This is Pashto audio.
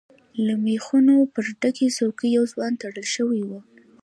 له ميخونو پر ډکې څوکی يو ځوان تړل شوی و.